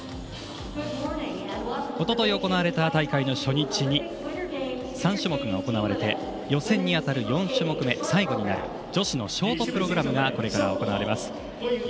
おととい行われた大会の初日に３種目が行われて予選に当たる４種目め最後になる女子のショートプログラムがこれから行われます。